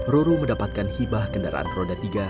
roro mendapatkan hibah kendaraan roda tiga